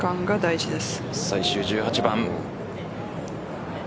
最終１８番。